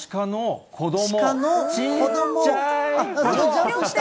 ジャンプした。